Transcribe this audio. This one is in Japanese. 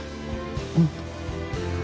うん。